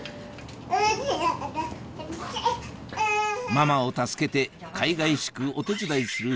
ママを助けてかいがいしくお手伝いする